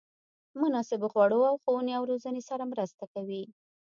مناسبو خوړو او ښوونې او روزنې سره مرسته کوي.